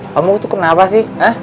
kamu tuh kenapa sih